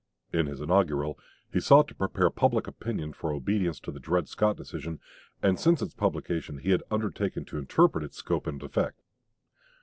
In his inaugural, he sought to prepare public opinion for obedience to the Dred Scott decision, and since its publication he had undertaken to interpret its scope and effect.